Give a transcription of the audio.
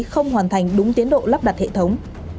không hoàn thành đúng tiến độ lắp đặt hệ thống